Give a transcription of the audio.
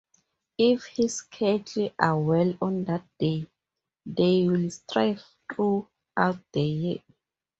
If his cattle are well on that day, they will thrive throughout the year.